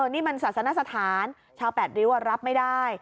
นี่มันศาสนสถานชาวแปดริ้วรับไม่ได้